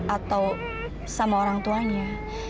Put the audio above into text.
atau sama orang tuanya